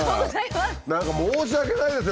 何か申し訳ないですね